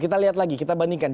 kita lihat lagi kita bandingkan